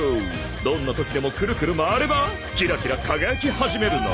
どんな時でもクルクル回ればキラキラ輝き始めるの。